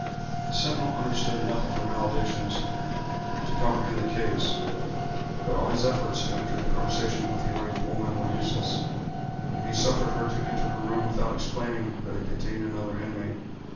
The sentinel understood enough of her maledictions to comprehend the case; but all his efforts to enter into conversation with the enraged woman were useless, and he suffered her to enter her room without explaining that it contained another inmate.